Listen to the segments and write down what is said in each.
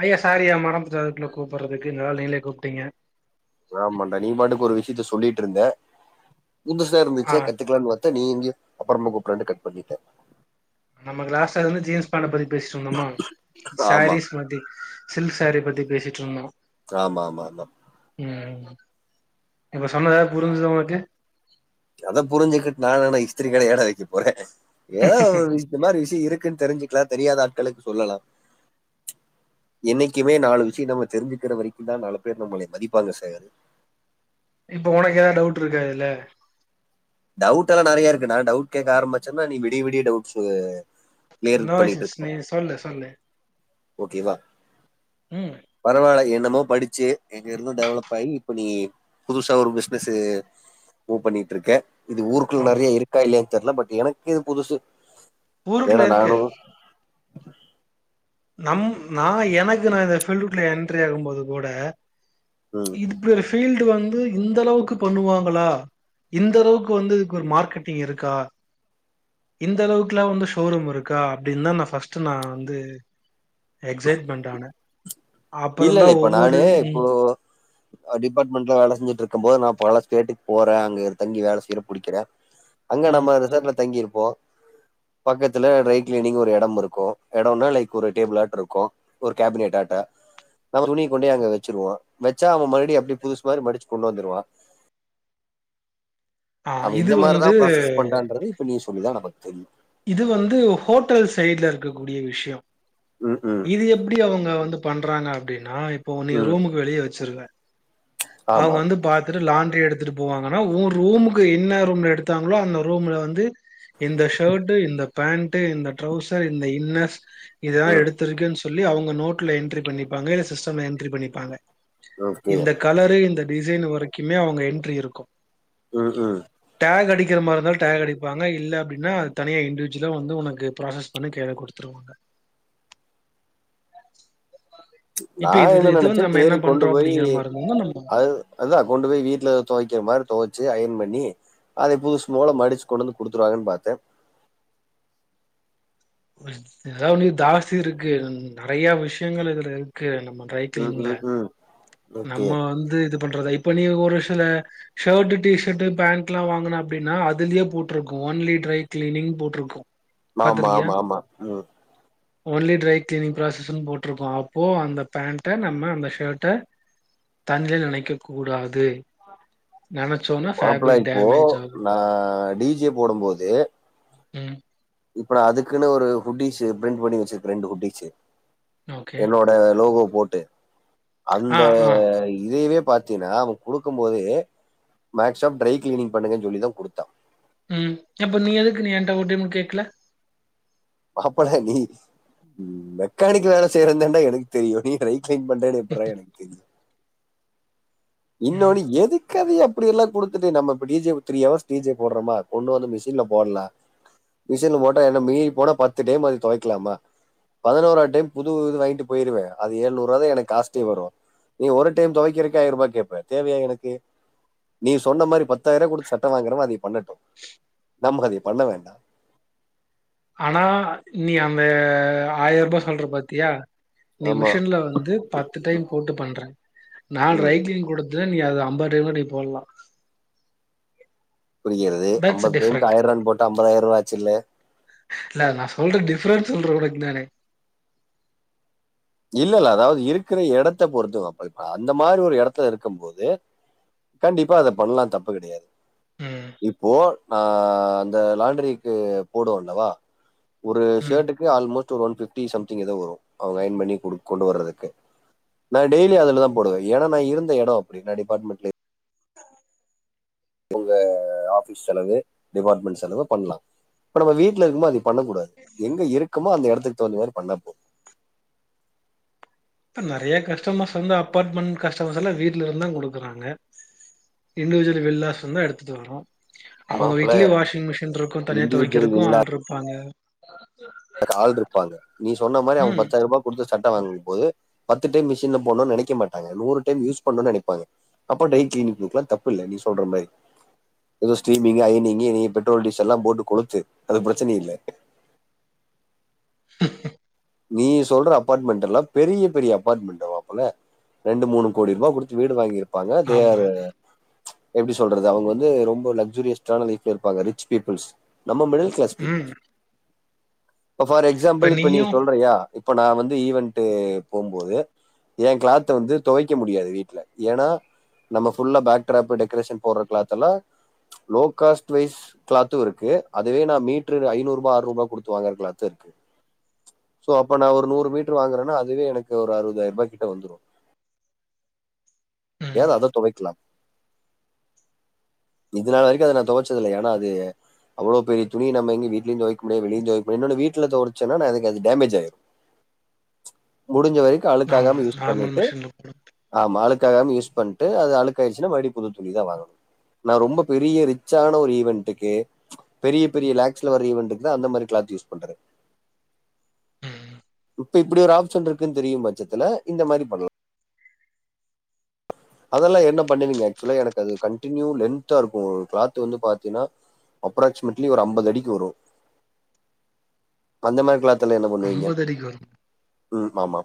ஐயா சாரியா மறந்துடே அதுக்குள்ள கூப்பட்றதுக்கு நால் நீங்களே கூப்ட்டீங்க ஆமாண்டா நீ பாட்டுக்கு ஒரு விஷ்யத்த சொல்லிட் இருந்தே புதுசா ஆ இருந்துச்சே கத்துக்லான் பாத் த்தா நீ எங்கயோ அப்றமா கூப்ண்டு கட் பண்ணிட்டே நம்ம லாஸ்ட்டா வந்து ஜீன்ஸ் பட பத்தி பேசிட்ருந்தோமா ஆமா சாரீஸ் பத்தி சில்க் சாரி பத்தி பேசிட்ருந்தோ ஆமா ஆமா ஆமா ம் இப்ப சொன்னது எதா புரிஞ்சுதா உனக்கு அத புரிஞ்சுக்கிட் நா என்னடா இஸ்திரி கடயாடா வெக்கப்போறே ஏதா ஒரு விஸ் இந்த மாரி விஷயோ இருக்குன் தெரிசுக்லா தெரியாத ஆட்களுக்கு சொல்லலா என்னைக்குமே நாலு விஷயோ நம்ம தெரிஞ்சுக்கிற வரைக்குந்தா நாலு பேர் நம்ளயே மதிப்பாங்க சார் இப்போ உனக்கு எதா டவுட் இருக்கா இத்ல டவுட் எல்லா நரையா இருக்கு நா டவுட் கேக்க ஆரம்பச்சன்னா நீ விடி விடிய டவுட்ஸு என்னா விஷ்யஸ் நீ சொல்லு சொல்லு ஓகேவா உம் பரவால்ல என்னமோ படிச்சு எங்க இருந்தோ டெவலப் ஆயி இப்ப நீ புதுசா ஒரு பிசினஸூ மூவ் பண்ணிட்ருக்க இது ஊருக்குள்ள ஆமா நறையா இருக்கா இல்லயான் தெர்ல பட் எனக்கு இது புதுசு ஏன்னா ஊருக்குல்ல இருக்கு நானும் நம் நா எனக்கு நா இந்த ஃபீல்டுகுள்ள என்ட்ரி ஆகுபோது கூட ம் இதுக் இப்டி ஒரு ஃபீல்டு வந்து இந்த அளவுக்கு பண்ணுவாங்ளா இந்தளவுக்கு வந்து இதுக்கு ஒரு மார்க்கெட்டிங் இருக்கா இந்த அளவுக்குலா வந்து ஷோரூம் இருக்கா அப்டின் தா நா ஃபஸ்ட் நா வந்து எக்ஸைட்மென்ட் ஆனே இல்ல இல்ல இப்ப நானு இப்போ டிபார்ட்மெண்ட்ல வேல செஞ்சிட்டு இருக்கும் போது நா பல ஸ்டேட்டுக்கு போறே அங்க இரு தங்கி வேல செய்றே புடிக்கிறே அங்க ம். நம்ம ரிசாட்ல தங்கி இருப்போ பக்கத்துல ட்ரை கிளீனிங் ஒரு எடம் இருக்கு எடோனா லைக் ஒரு டேபிள் ஆட்ட இருக்கு ஒரு கேபினெட் ஆட்ட நம்ம துணிய கொண்டே அங்க வச்சிருவோ வச்சா அவெ மறுபடி அப்டி புதுசுமாரி மடிச்சு கொண்டு வந்துருவா ஆ அவெ இது இந்த மாரிதா வந்து ப்ராசஸ் பண்றான்றது இப்ப நீ சொல்லிதா நமக்கு தெரியு இது வந்து ஹோட்டல் சைட்ல இருக்கக்கூடிய விஷ்யோ ம் ம் இது எப்டி அவங்க வந்து பண்றாங்க அப்டினா இப்ப நீ ம் ரூமுக்கு வெளிய வச்சிருவெ அவெ ஆமா வந்து பாத் துட்டு லாண்ட்ரி எடுத்துட்டு போவாங்கன்னா உ ரூமுக்கு என்ன ரூம்ல எடுத்தாங்களோ அந்த ரூம்ல வந்து இந்த ஷர்ட்டு இந்த பேண்ட்டு இந்த ட்ரௌசர் இந்த இன்னர்ஸ் இதெல்லா ம் எடுத்து ருக்கேனு சொல்லி அவங்க நோட்ல என்ட்ரி பண்ணிப்பாங்க இல்ல சிஸ்டம்ல என்ட்ரீ பண்ணிப்பாங்க ஓகே இந்த கலரு இந்த டிசைன் வரைக்குமே அவங்க என்ட்ரி இருக்கு ம் ஹூ டாக் அடிக்கிற மாரி இருந்தா டேக் அடிப்பாங்க இல்ல அப்டினா தனியா இண்டிவிஜுவலா வந்து ஒனக்கு ப்ராசஸ் பண்ணி கய்ல குடுத்துருவாங்க நா இப்ப இது இது என்ன இது நெனச்சே வந்து நம்ம என்ன செரி கொண்டு பண்றோம் போய் அப்டிங்கிற மாரி இருந்ததுன்னா நம்ம அது அதா கொண்டு போய் வீட்ல தொவக்கிற மாரி தொவச்சு அயன் பண்ணி அதே புதுசு போல மடிச்சு கொண்டு வந்து குடுத்துருவாங்கனு பாத்தே எதா ஒன்னு தாஸி இருக்கு நெறையா விஷயங்கள் இதுல இருக்கு நம்ம ம் ட்ரைக்ளீன்ல ம் ம் ஓகே நம்ம வந்து இது பண்றதா இப்ப நீ ஒரு சில ஷர்ட்டு டிஷர்ட்டு பேண்ட்ல்லா வாங்குன அப்டினா அதுலயே போட்ருக்கு ஒன்லி ட்ரை கிளீனிங் போட்ருக்கு ஆமா ஆமா ஆமா ம் ஓன்லி ட்ரை கிளீனிங் ப்ராஸஸுனு போட்ருக்கூ அப்போ அந்த பேண்ட நம்ம அந்த ஷர்ட்ட தண்ணீல நனைக்க கூடாது நனச்சோனா மாப்ள இப்போ நா டி ஜே போடும்போது ம் இப்ப நா அதுக்குனு ஒரு ஹுட்டீசு ப்ரிண்ட் பண்ணி வச்சிருக்கு ரெண்டு ஹுட்டீசு ஓகே என்னோட லோகோ போட்டு ஆ அந்த ஆ இதயவே பாத்தீங்னா அவெ குடுக்கும்போதே மேக்சிமம் ட்ரை கிளீனிங் பண்ணுங்கனு சொல்லி தா குடுத்தா ம் அப்ப நீ எதுக்கு நீ என்ட ஒரு டைம் கேக்கல மாப்பள நீ மெக்கானிக் வேல செய்யறந்தாண்டா எனக்கு தெரியு நீ ட்ரை க்ளீண் பன்றேனு எப்பிறா எனக்கு தெரியு ம் இன்னோனு எதுக் க்கதி அப்டி எல்லா குடுத்துட்டு நம்ம இப்ப D J three hours D J போட்றோமா கொண்டு வந்து மிஷின்ல போட்லா மிஷின்ல போட்டா என்ன மீறி போனா பத்து டேம் அது தொவைக்கலாமா பதினோரா டைம் புது இது வாங்கிட்டு பொய்ருவே அது ஏழ்நூறுூவா தா எனக் காஸ்டே வரு நீ ஒரு டைம் தொவைக்கிரக்கே ஆயர் ரூபா கேப் ப தேவையா எனக்கு நீ சொன்ன மாரி பத்தாயிர குடுத்து சட்ட வாங்குறவே அதெ பண்ணட்டு நம்மக் அதை பண்ண வேண்டா ஆனா நீ அந்த ஆயர் ருபா சொல்ற பாத்தியா நீ ஆமா மிஷன்ல வந்து பத்து டைம் போட்டு பண்ற நா ம் ட்ரைக்ளீனிங் குடு இல்ல நீ அது ஐம்ப டைம் கிட் நீ போட்லா புறிக்கிறது தட்ஸ் அம்பதுடெம்க்கு டிஃப்ரெண்ட் ஆயிரன் போட்டா அம்பதாயிரருவா ஆச்சுல்ல இல்ல நா சொல்ற டிஃப்ரென்ஸ் சொல்றே உனக் நானு இல்ல இல்ல அதாவ்து இருக்கிற எடத்த பொறுத்தூ அப்ப இப்ப அந்த மாரி ஒரு எடத்தல இருக்கம்போது கண்டிப்பா அத பண்லா தப்பு கெடயாது ம் இப்போ நா அந்த லாணடரிக்கு போடுவஅல்லவா ஒரு ம் ஷர்ட்டுக்கு அல்மோஸ்ட் ஒன் பிஃப்டி சம்திங் ஏதோ வரு அவுங்க அயன் பண்ணி குடுக் கொண்டு வர்றதுக்கு நா டெய்லி அதுல தா போடுவே ஏனா நா இருந்த எடோ அப்படி நா டிபார்ட்மெண்ட்லே ஒங்க ஆஃபிஸ் செலவு டிபார்ட்மெண்ட் செலவு பண்லா ப்ப நம்ம வீட்ல இருக்கு மோது பண்ண கூடாது எங்க இருக்கமோ அந்த எடத்துக் தவுந்த மேரி பண்ணா போது நறைய கஸ்டமர்ஸ் வந்து அப்பார்ட்மெண் கஸ்டமர்ஸ் எல்லா வீட்ல இருந்தா குடுக்குறாங்க இண்டிஜுவல் வில்லாஸ் லந்து எடுத்துட் வரு அவுங்க மாப்பிள்ள வீட்லே வாஷிங் மிஷின் ருக்கு தனிய இண்டிவிஜுவல் தொவிக்கரக்கு ஆள்ருப்பாங்க அதுக் ஆல்ருப்பாங்க நீ சொன்னா மாரி அவுங் ம் பத்தாயிர்ருபா குட்த்து சட்ட வாங்கு போது பத்து டெம் மிஷின்ல போன்னுன் நெனைக்க மாட்டாங்க நூறு டைம் யூஸ் பண்ணோனு நெனைப்பாங்க அப்ப டைக்கிளக்குல்லா தப்பு இல்ல நீ சொல்ற மரி எதோ ஸ்டீமிங்க் ஐனிங்கு இ பெட்ரோல் டீசல்லா போட்டுக் கொளுத்து அது பிரச்சனை இல்ல நீ சொல்ற அபார்ட்மெண்ட் எல்லா பெரிய பெரிய அப்பார்ட்மெண்ட் மாப்புல ரெண்டு மூணு கோடி ருபா குடுத்து வீடு வாங்கிருப்பாங்க தே ஆமா ஆர் எப்டி சொல்றது அவுங் வந்து ரொம்ப லக்சரியஸ்டான லைஃப்ல இருப்பாங்க ரிச் பீப்புள்ஸ் நம்ம மிடில் கிளாஸ் ம் பீப்ள்ஸ் ஃபார் எக்ஸாம்பிள் இப்ப நீ யா இப்ப நா வந்து ஈவென்ட்டு போம்போது என் கிளாத்த வந்து தொவைக்க முடியாது வீட்ல எனா நம்ம புல்லா பேக் ட்ராப் டெகரேஷன் போட்ற கிளாத் எல்லா லோ காஸ்ட் வைஸ் கிளாத்து இருக்கு அதுவே நா மீ்ட்ரு நா ஐநூருபா ஆறு ரூபா குடுத்து வாங்கற கிளாத் இர்க்கு சோ அப்ப நா ஒரு நூறு மீட்டர் வாங்கறென்னா அதுவே எனக்கு ஒரு அறுபதாயர்ப்பா கிட்ட வந்துரூ ம் ஏத அத தொவைக்லாம் இது நாள் வரிக்க அ நா தொவைச்சதில்ல ஏன்னா அது அவ்வளோ பெரிய துணி நம்ம இங்க வீட்லயு தொவைக் முடிய வெளியும் தொவைக் முடியு இன்னொன்னு வீட்ல துவசன்னா எனக்கது டேமஜ் ஆயிரு முடிஞ்ச வரைக்கு ஆமா அளுக்காகம யூஸ் நார்மல் பண்ணிட்டு மிஷின்ல போடு ஆம்மா அழுக் க்காகம யூஸ் பண்ட்டு அத அழுக்காய்டுச்சுன்னா மறுடி புது துணி தா வாங்கணு நா ரொம்ப பெரிய ரிச்சான ஒரு ஈவன்ட்டுக்கு பெரிய பெரிய லேக்ஸ்லவர இவன்ட்க்குதா அந்த மாரி க்ளாத் யூஸ் பண்றது ம் இப்ப இப்புடி ஒரு ஆப்ஷன் இருக்குன் தெரியு பட்சத்துல இந்த மாரி பண்ல அதெல்லா என்ன பண்ணுவீங்க ஆக்சுலா எனக்கு அது கண்டின்யூ லென்த்தா இருக்கு க்ளாத் வந்து பாத்தீன்னா அப்ராக்சிமெட்லி ஒரு அம்பது அடிக்கு வரூ அந்த மாரி காலாத் கல்யாணம் பண்ணுவீங்க அம்பது அடிக்கு வரு ம் ஆமா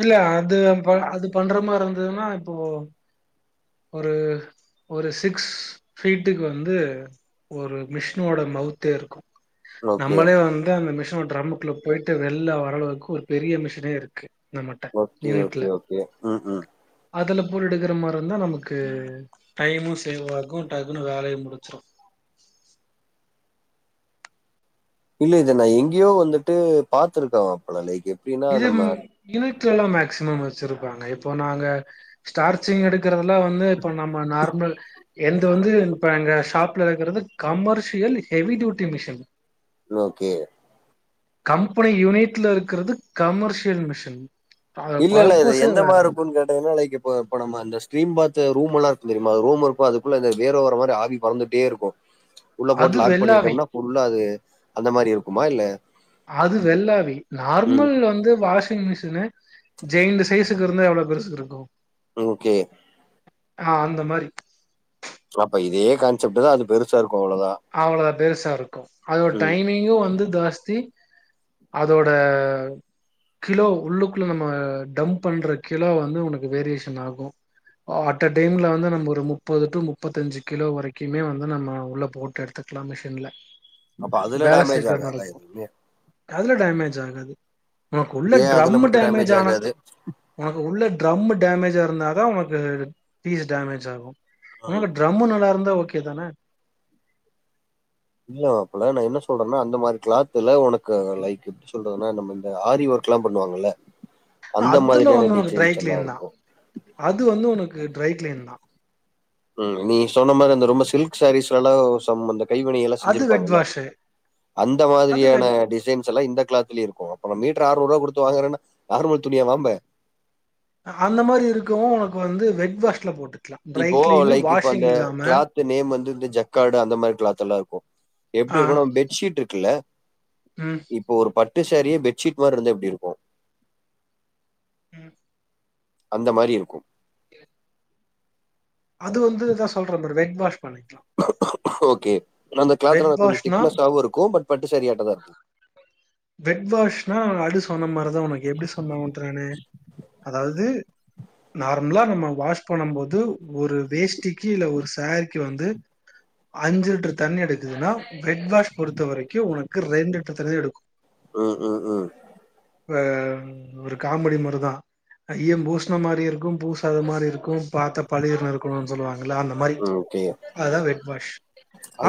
இல்ல அது அப்ப அது பண்ற மார் இருந்ததுன்னா இப்போ ஒரு ஒரு சிக்ஸ் ஃபீட்டுக் வந்து ஒரு மிஷ்னோட மவ்த்தே இருக்கு ஓகே நம்மளே வந்து அந்த மிஷ்னோ டிரம்மு ள்ல போய்ட்டு வெள்ள வரளவுக்கு ஒரு பெரிய மிஷனே இருக்கு நம்மட்ட ஓகே ஓகே யூனிட்ல ஓகே ம் ம் அதுல போல் எடுக்கற மார் இருந்தா நமக்கு டைமு சேவ் ஆகு டகுனு வேலையு முடுச்சுரு இல்ல இது நா எங்கியோ வந்துட்டு பாத்துருக்கே மாப்பல லைக்கு இது ம் யுனிட்ல எலா மேக்சிமம் வச்சிருப்பாங்க இப்போ நாங்க ஸ்டார்ச்சிங் எடுக்கறதலா வந்து இப்ப நம்ம நார்மல் எந்து வந்து இப்ப எங்க ஷாப்ல இருக்கிறது commercial heavy duty machine no okay company யூனிட்ல இருக்கிறது கமர்ஷியல் மிஷின் அத பர்பசே வேற ஃபோன் கேட்டதுமே லைக் இப்ப இப்ப நம்ம அந்த ஸ்ட்ரீம் பாத்து ரூம் எல்லா இருக்கு தெரியுமா ரூம் இருக்கு அதுக்குள்ள இது வேற ஒரு மாரி ஆவி தொறந்துட்டே இருக்கு உள்ள அது போட்டு லாக் வெள்ளாவி பண்ணிட்டம்னா ஃபுல்லா அது அந்த மாரி இருக்குமா இல்ல அது வெள்ளாவி ம் நார்மல் வந்து வாஷிங் மிஷினு ஜெயின்ட் சைஸுக்கு இருந்தா எவ்ளோ பெருசு இருக்கு ஓகே ஆ அந்த மாரி அப்ப இதே கான்செப்ட்டு தா அது பெருசா இருக்கு அவ்ளோதா அவ்ளதா பெருசா இருக்கு அதோட டைமிங்கு வந்து ஜாஸ்தி அதோட கிலோ உள்ளுக்குள்ள நம்ம டம்ப் பண்ற கிலோ வந்து உனக்கு வேரியேஷன் ஆகு அட்ட டைம்ல வந்து நம்ப ஒரு முப்பது டு முப்பத்தஞ்சு கிலோ வரைக்குமே வந்து நம்ம உள்ள போட் டு எடுத்துக்கலா மிஷின்ல அப்ப அதுல வேல டேமேஜ் சீக்கிர ஆகாதா நடக்கு எதுவுமே அதுல டேமேஜ் ஆகாது உனக்கு உள்ள ஏன் டிரம் அதுல மட்டும் டேமேஜ் ஆனா ஆகாது உனக்கு உள்ள ட்ரம் டேமேஜா இருந்தாதா உனக்கு பீஸ் டேமேஜ் ஆகு உனக்கு ம் ட்ரம்மு நல்லா இருந்தா ஓகே தானே இல்ல மாப்பல நா என்ன சொல்றன்னா அந்த மாரி கிளாத்துல உனக்கு லைக் எப்டி சொல்றதுனா நம்ம இந்த ஆரி ஒர்க் கலா பண்ணுவாங்கல அந்த அதுல மாதிரியான வந்து உனக்கு ட்ரை டிசைன்ஸ் எல்லா கிளீன் தா இருக்கு அது வந்து உனக்கு டிரை கிலீன் தா ம் நீ சொன்ன மாரி அந்த ரொம்ப சில்க்ஸ் சாரீஸ்ல்லலா சம் அந்த கைவினை எல்லா அது வெட் செஞ்சிருப்பாங்கல்ல வாஷு அந்த அது மாதிரியான வெட் டிசைன்ஸ் எல்லா இந்த கிளாத் திலியே இருக்கு அப்போ நம் மீட்டர் ஆறுநுரூவா குடுத்து வாங்குரன நார்மல் துனியா வாங்குவ அந்த மாரி இருக்கவு உனக்கு வந்து வெட்வாஸ்ல்ல போட்டுக்கலா ட்ரை இப்போ கிளீனு லைக் இப்போ அந்த வாஷிங் இல்லாம கிளாத் நேம் வந்து இந்த ஜக்காடு அந்த மார் கிளாத் எல்லா இருக்கு எப்டி ஆ இருக்கும்னா பெட்ஷீட் இருக்குல்ல ம் இப்போ ஒரு பட்டு சேரியே பெட்ச்ஷீட் மார் இருந்தா எப்டி இருக்கு ம் அந்த மாரி இருக்கு அது வந்து அதா சொல்ற பாரு வெட் வாஷ் பண்ணிக்கலா ஓகே அந்த வெட் கிளாத்ல கொஞ்ச வாஷ்னா திக்னஸாவு இருக்கு பட் பட்டு சரியாட்ட தா இருக்கு வெட் வாஷ்னா அது சொன்ன மார்தா உனக்கு எப்டி சொன்ன உண்ட நானு அதாவ்து நார்மலா நம்ம வாஷ் பண்ணு போது ஒரு வேஷ்ட்டிக்கு இல்ல ஒரு சாரிக்கு வந்து அஞ்சு லிட்டர் தண்ணி எடுக்குதுன்னா வெட் வாஷ் பொறுத்த வரைக்கு உனக்கு ரெண்டு லிட்டர் தண்ணி எடுக்கு ம் ம் ம் ஆ ஒரு காமெடி மார்தா ஐயம் பூஷண மாரி இருக்கு பூசாத மாரி இருக்கு பாத்த பலிரின்னு இருக்கும்னு சொல்லுவாங்கள அந்த மாி ம். ஓகே. அதாவெட் வாஷ்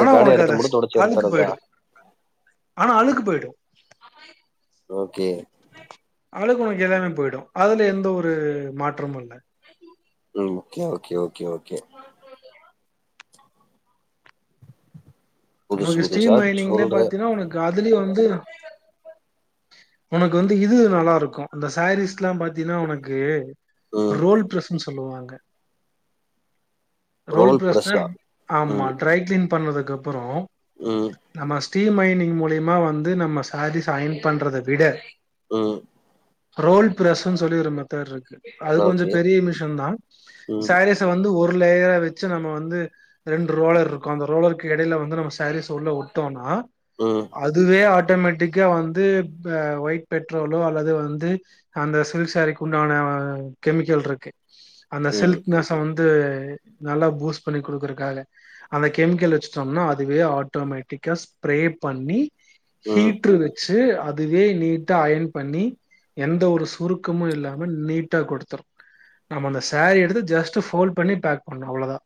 ஆனா உனக்கு இடத்த அத மட்டும் தொடச்சு அழுக்கு எடுத்துறதா? போயிடு ஆனா அழுக்கு போயிடு ஓகே அழுக்கு உனக்கு எல்லாமே போயிடு அதுல எந்த ஒரு மாற்றமு இல்ல ம் ஓகே ஓகே ஓகே ஓகே புதுசு உனக்கு புதுசா ஸ்டீல் மைனிங்ல சொல்ற பாத்தீன்னா உனக்கு அதுலயே வந்து உனக்கு வந்து இது நல்லா இருக்கு அந்த சாரீஸ்ல்லா பாத்தீன்னா உனக்கு ம் ரோல் பிளஸ் ம் சொல்லுவாங்க ரோல் பிரஷ ஆமா ம் ட்ரை கிளீன் பண்ணறதுக்கு அப்பரோ ம் நம்ம ஸ்டீல் மைனிங் மூலியமா வந்து நம்ம சாரீஸ் அய்யன் பண்றத விட ம் ரோல் பிரஸ்ன்னு சொல்லி ஒரு மெத்தட் இருக்கு அது கொஞ்ச ஓகே பெரிய மிஷன் தா ம் சாரீஸ வந்து ஒரு லேயரா வச்சு நம்ம வந்து ரெண்டு ரோலர் இருக்கு அந்த ரோலருக்கு இடயில வந்து நம்ம சாரீஸ் உள்ள விட்டோம்னா ம் அதுவே ஆட்டோமேட்டிக வந்து ஒயிட் பெட்ரோலோ அல்லது வந்து அந்த சில்க் சாரிக்கு உண்டான கெமிக்கல் இருக்கு அந்த ம் சில்க் நஸ் வந்து நல்லா பூஸ்ட் பண்ணி குடுக்கருக்காக அந்த கெமிக்கல் வச்சுட்டோம்னா அதுவே ஆட்டோமேட்டிக்கா ஸ்ப்ரே பண்ணி ம் ஹீட்ரு வச்சு அது அதுவே நீட்டா அயன் பண்ணி எந்த ஒரு சுருக்கமு இல்லாம நீட்டா கொடுத்துரு நம்ம அந்த சேரி எடுத்து ஜஸ்ட் ஃபோல்டு பண்ணி பேக் பண்ரோ அவ்வளோதா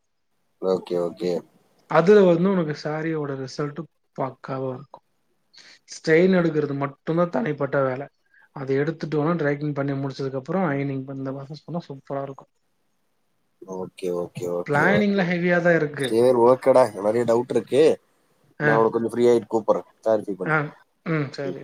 ஓகே ஓகே அதுல வந்து உனக்கு சாரியோட ரிசல்ட் பக்காவா இருக்கு ஸ்டெயில் எடுக்கறது மட்டுதா தனிப்பட்ட வேலை அத எடுத்துட்டு உனா ட்ரக்கிங் பண்ணி முடிச்சதுக்குப்புற ஐனிங் இந்தந்த பரசஸ் பண்ணா சூப்பரா இருக்கு ஓகே ஓகே ஓகே ஓகே பிளானிங்ல ஹெவியா தா இருக்கு சிவம்பு க்கடா நெறைய டவுட் இருக்கு ஆ நா உன கொஞ்ச ஃப்ரீயிட்டு கூப்பறே ஆ ம் சரி